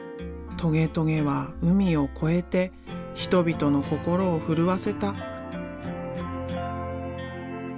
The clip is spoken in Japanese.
トゲトゲは海を越えて人々の心を震わせた。